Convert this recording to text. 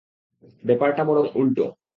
ব্যাপারটা বরং উল্টো।